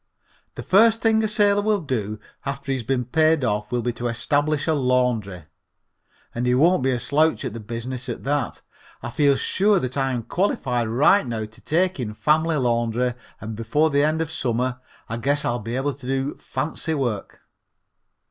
The first thing a sailor will do after he has been paid off will be to establish a laundry, and he won't be a slouch at the business at that. I feel sure that I am qualified right now to take in family laundry and before the end of summer I guess I'll be able to do fancy work.